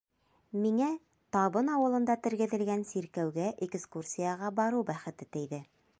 Миңә Табын ауылында тергеҙелгән сиркәүгә экскурсияға барыу бәхете тейҙе.